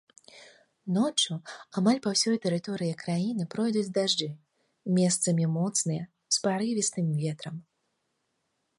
Ноччу амаль па ўсёй тэрыторыі краіны пройдуць дажджы, месцамі моцныя, з парывістым ветрам.